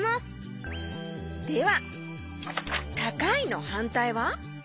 では「たかい」のはんたいは？